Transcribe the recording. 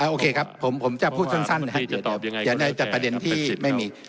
โอเคครับผมผมจะพูดสั้นสั้นเดี๋ยวเดี๋ยวจะประเด็นที่ไม่มี